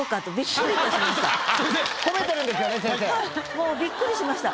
もうびっくりしました。